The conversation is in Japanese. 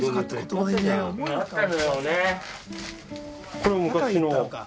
これ昔の。